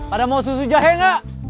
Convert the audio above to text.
pada mau susu jahe gak